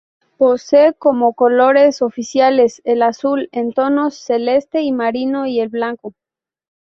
Posee como colores oficiales el azul, en tonos celeste y marino, y el blanco.